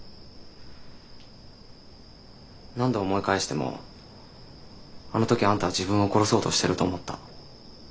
何度思い返してもあの時あんたは自分を殺そうとしてると思った。